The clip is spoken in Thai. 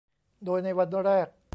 โดยในวันแรก